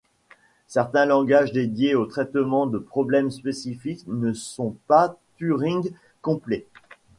Certains langages dédiés au traitement de problèmes spécifiques ne sont pas Turing-complets.